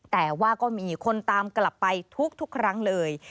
แต่ว่าก็มีคนตามกลับไปทุกครั้งเลย